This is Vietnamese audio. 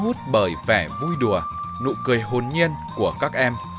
hút bởi vẻ vui đùa nụ cười hồn nhiên của các em